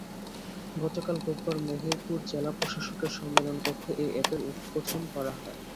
গতকাল রোববার মেহেরপুর জেলা প্রশাসকের সম্মেলনকক্ষে এ অ্যাপের উদ্বোধন করা হয়।